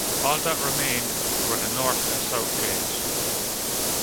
All that remained were the north and south gates.